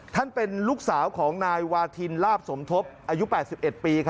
เป็นลูกสาวของนายวาทินลาบสมทบอายุ๘๑ปี